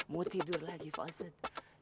mau tidur lagi pak ustadz